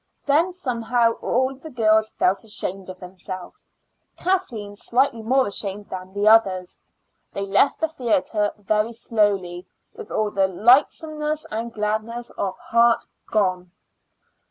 Then somehow all the girls felt ashamed of themselves, Kathleen slightly more ashamed than the others. They left the theater very slowly, with all the lightsomeness and gladness of heart gone.